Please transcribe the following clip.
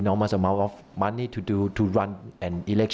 ในอาทิตย์๓อาทิตย์